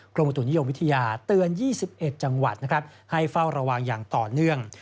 กรมอุตุนิยมวิทยาเตือน๒๑จังหวัดนะครับให้เฝ้าระวังอย่างต่อเนื่อง